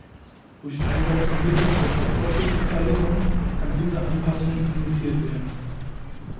Durch Einsatz von Mitteln aus der Überschussbeteiligung kann diese Anpassung limitiert werden.